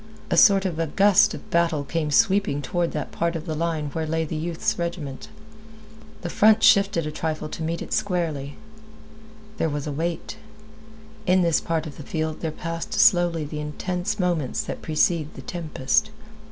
A sort of a gust of battle came sweeping toward that part of the line where lay the youth's regiment. The front shifted a trifle to meet it squarely. There was a wait. In this part of the field there passed slowly the intense moments that precede the tempest.